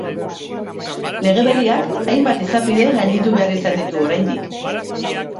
Lege berriak hainbat izapide gainditu behar ditu oraindik.